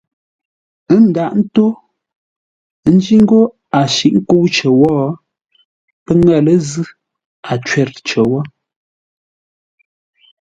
Ə́ ndaghʼ ńtó, ńjí ńgó a shǐʼ ńkə́u cər wó, pə́ ŋə̂ lə́ zʉ́, a cwə̂r cər wó.